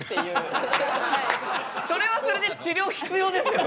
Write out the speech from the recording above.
それはそれで治りょう必要ですよね。